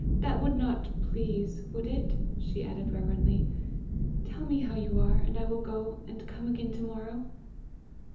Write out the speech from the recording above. "That would not please, would it?" she added reverently. "Tell me how you are, and I will go, and come again to morrow."